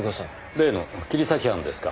例の切り裂き犯ですか？